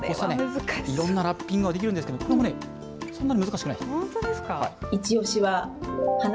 いろんなラッピングができるんですけども、これもね、そんなに難本当ですか？